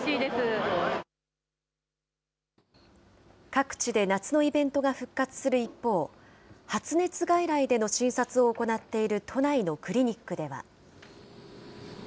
各地で夏のイベントが復活する一方、発熱外来での診察を行っている都内のクリニックでは。